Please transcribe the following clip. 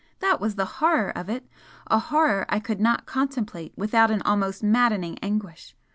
that was the horror of it a horror I could not contemplate without an almost maddening anguish.